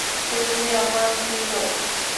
তুমি আমার হিরো।